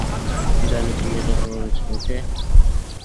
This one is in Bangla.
জানি তুমি এটা করেছ, ওকে?